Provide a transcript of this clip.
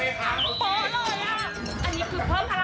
สวัสดีครับคุณผู้ชมครับ